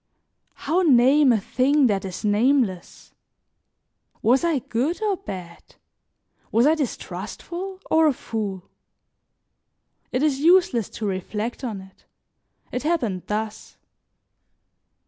How name a thing that is nameless? Was I good or bad? Was I distrustful or a fool? It is useless to reflect on it; it happened thus.